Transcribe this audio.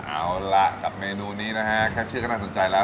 เอาล่ะกับเมนูนี้นะฮะแค่เชื่อก็น่าสนใจแล้ว